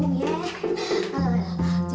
tenang aja lu